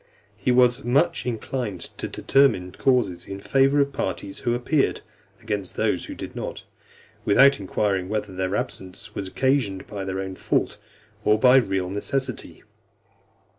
He was much inclined to determine causes in favour of the parties who appeared, against those who did not, without inquiring whether their absence was occasioned by their own fault, or by real necessity.